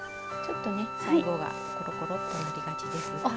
ちょっとね最後がコロコロっとなりがちですが。